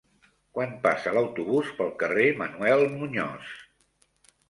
Quan passa l'autobús pel carrer Manuel Muñoz?